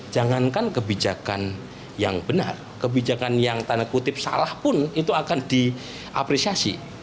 jangankan kebijakan yang benar kebijakan yang tanda kutip salah pun itu akan diapresiasi